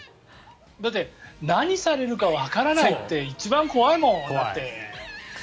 だって何されるかわからないって一番怖いもん。